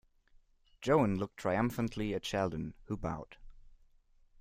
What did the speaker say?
Joan looked triumphantly at Sheldon, who bowed.